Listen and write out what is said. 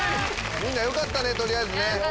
みんなよかったね取りあえずね。